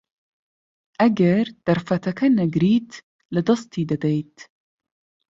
ئەگەر دەرفەتەکە نەگریت، لەدەستی دەدەیت.